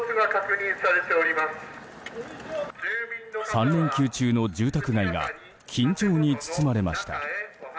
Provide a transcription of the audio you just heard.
３連休中の住宅街が緊張に包まれました。